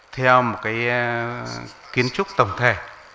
theo một kiến trúc tổng thể